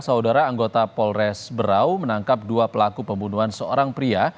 saudara anggota polres berau menangkap dua pelaku pembunuhan seorang pria